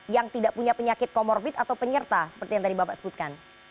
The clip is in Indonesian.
yang tidak punya penyakit komorbid atau penyerta seperti yang tadi bapak sebutkan